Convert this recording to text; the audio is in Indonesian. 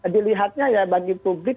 dilihatnya ya bagi publik